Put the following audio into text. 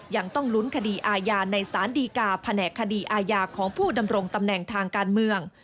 ยังต้องลุ้นคดีอาญาในสารดีกาแผนกคดีอาญาของผู้ดำรงตำแหน่งทางการเมือง